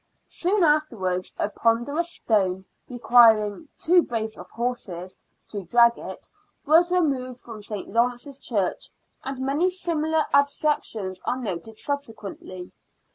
Soon afterwards a ponderous stone, re quiring " two brace of horses " to drag it, was removed from St. Lawrence's Church, and many similar abstractions are noted subsequently.